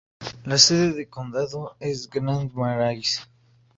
La sede de condado es Grand Marais.